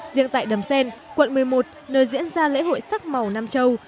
riêng tại đầm sen quận một mươi một nơi diễn ra lễ hội sắc màu nam châu